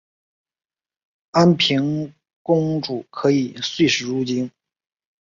安平公主可以岁时入京。